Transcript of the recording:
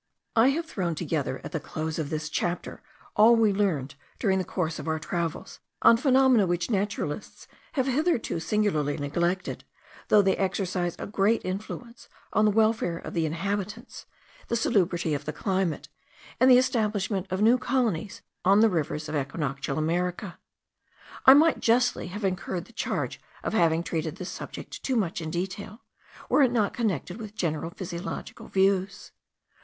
I have thrown together at the close of this chapter all we learned during the course of our travels on phenomena which naturalists have hitherto singularly neglected, though they exercise a great influence on the welfare of the inhabitants, the salubrity of the climate, and the establishment of new colonies on the rivers of equinoctial America. I might justly have incurred the charge of having treated this subject too much in detail, were it not connected with general physiological views.